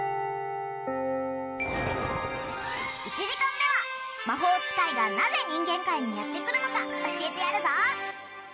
１時間目は魔法使いがなぜ人間界にやってくるのか教えてやるぞ。